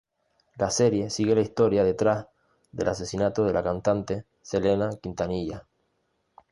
La serie sigue la historia detrás del asesinato de la cantante Selena Quintanilla.